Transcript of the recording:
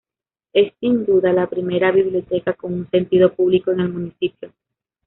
Es sin duda la primera biblioteca con un sentido público en el municipio.